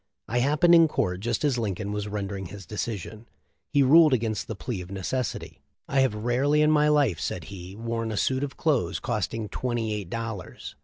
I happened in court just as Lincoln was rendering his decision. He ruled against the plea of necessity. "I have rarely in my 348 THE LIFE 0F LINCOLN. life," said he, "worn a suit of clothes costing twenty eight dollars."